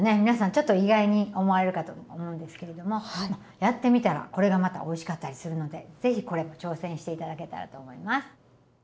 皆さんちょっと意外に思われるかと思うんですけれどもやってみたらこれがまたおいしかったりするのでぜひこれも挑戦していただけたらと思います。